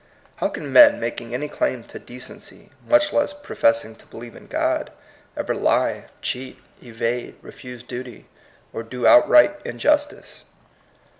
How can men making any claim to decency, much less professing to believe in God, ever lie, cheat, evade, refuse duty, or do outright injustice?